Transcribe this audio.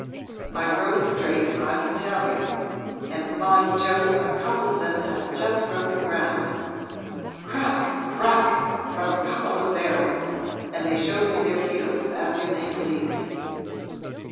I rode straight, I can tell you; and, by Jove, a couple of them had just broken ground! Crack crack, from a couple of barrels, and they showed me their heels, as you may believe.